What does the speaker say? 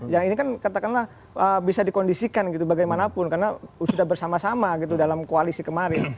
yang ini kan katakanlah bisa dikondisikan gitu bagaimanapun karena sudah bersama sama gitu dalam koalisi kemarin